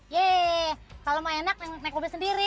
yeay kalau mau enak naik mobil sendiri